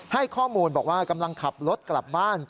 ให้ข้อมูลบอกว่ากำลังขับรถกลับบ้าน